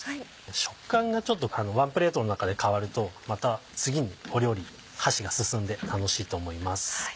食感がちょっとワンプレートの中で変わるとまた次の料理に箸が進んで楽しいと思います。